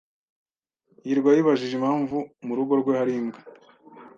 hirwa yibajije impamvu mu rugo rwe hari imbwa.